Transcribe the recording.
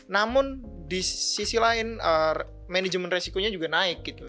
namun di sisi lain manajemen resikonya juga naik gitu